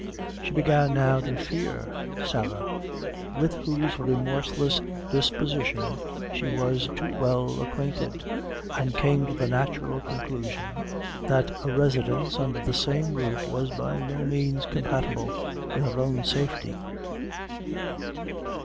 She began now to fear Sarah, with whose remorseless disposition she was too well acquainted, and came to the natural conclusion, that a residence under the same roof was by no means compatible with her own safety.